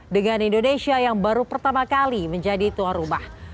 dengan indonesia yang baru pertama kali menjadi tuan rumah